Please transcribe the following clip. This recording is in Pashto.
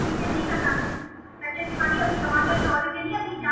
ساقي خراب تراب مي کړه نڅېږم به زه ـ